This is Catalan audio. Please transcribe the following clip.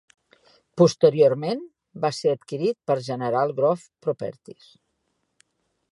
Posteriorment va ser adquirit per General Growth Properties.